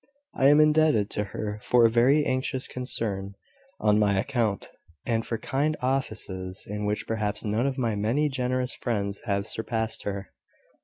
"I am indebted to her for a very anxious concern on my account, and for kind offices in which perhaps none of my many generous friends have surpassed her."